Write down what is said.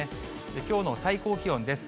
きょうの最高気温です。